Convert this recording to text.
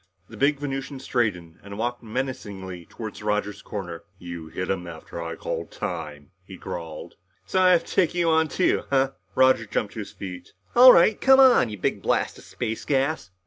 The big Venusian straightened and walked menacingly toward Roger's corner. "You hit him after I called time," he growled. "So I have to take you on too, huh?" Roger jumped to his feet. "All right come on, you big blast of space gas!"